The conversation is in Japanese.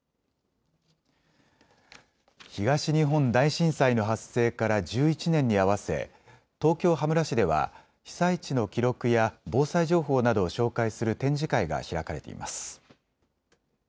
東日本大震災の発生から１１年に合わせ、東京羽村市では被災地の記録や防災情報などを紹介する展示会が開かれています。